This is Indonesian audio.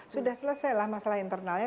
sudah selesailah masalah internalnya